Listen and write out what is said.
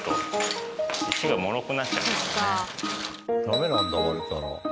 ダメなんだ割れたら。